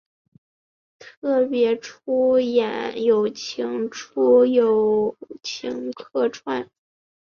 特别出演友情出演友情客串